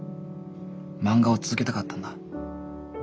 漫画を続けたかったんだ。